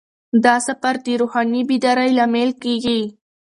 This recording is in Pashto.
دا سفر د روحاني بیدارۍ لامل کیږي.